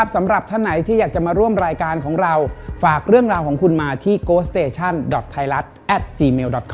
สถานีผี